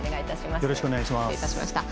よろしくお願いします。